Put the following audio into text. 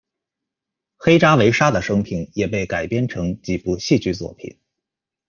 黑扎维沙的生平也被改编成几部戏剧作品。